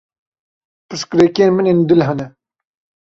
Pirsgirêkên min ên dil hene.